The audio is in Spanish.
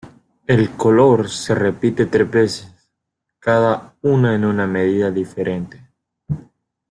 El "color" se repite tres veces, cada una en una medida diferente.